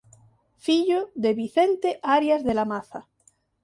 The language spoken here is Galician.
Fillo de Vicente Arias de la Maza.